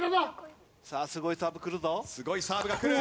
さあすごいサーブくるぞ。